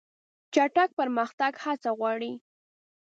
چټک پرمختګ هڅه غواړي.